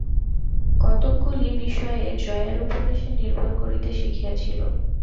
কতকগুলি বিষয়ে জয়ার উপরে সে নির্ভর করিতে শিখিয়াছিল।